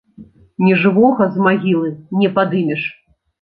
Нежывога з магілы не падымеш.